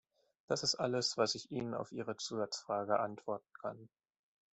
Das ist alles, was ich Ihnen auf Ihre Zusatzfrage antworten kann.